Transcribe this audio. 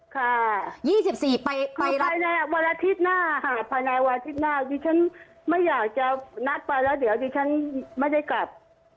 ค่ะ๒๔ปีภายในวันอาทิตย์หน้าค่ะภายในวันอาทิตย์หน้าดิฉันไม่อยากจะนัดไปแล้วเดี๋ยวดิฉันไม่ได้กลับ